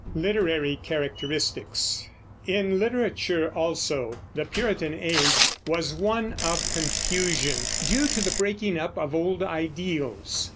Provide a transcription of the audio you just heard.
LITERARY CHARACTERISTICS. In literature also the Puritan Age was one of confusion, due to the breaking up of old ideals.